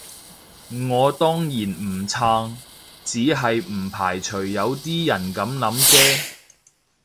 我當然唔撐，只係唔排除有啲人噉諗啫